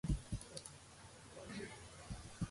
დარბაზის ჩრდილოეთ კედელზე პილასტრია.